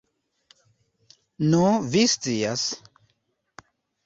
Nu, vi scias.